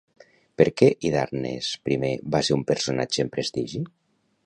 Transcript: Per què Hidarnes I va ser un personatge amb prestigi?